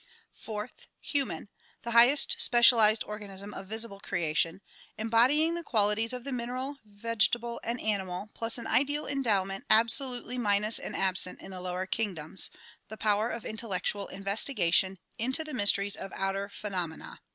Fourth — Human — the highest specialized organism of visible creation, embodying the qualities of the mineral, vegetable and animal plus an ideal endowment abso lutely minus and absent in the lower kingdoms — the power of intellectual investigation into the mysteries of outer phenomena.